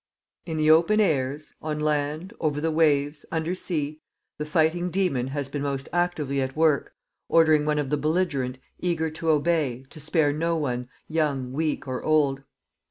In the open airs, on land, over the waves, under sea, the fighting demon has been most actively at work, ordering one of the belligerent, eager to obey, to spare no one, young, weak or old.